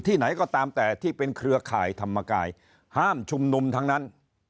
ไหนก็ตามแต่ที่เป็นเครือข่ายธรรมกายห้ามชุมนุมทั้งนั้น